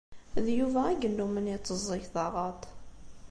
D Yuba i yennummen itteẓẓeg taɣaḍt.